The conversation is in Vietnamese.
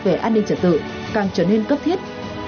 về an ninh trật tự càng trở nên cấp thiết